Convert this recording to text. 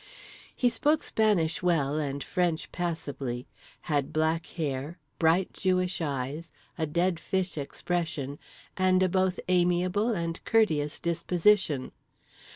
He spoke Spanish well and French passably; had black hair, bright Jewish eyes, a dead fish expression, and a both amiable and courteous disposition.